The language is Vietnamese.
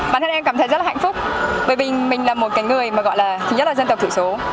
bản thân em cảm thấy rất là hạnh phúc bởi vì mình là một người rất là dân tộc thủ số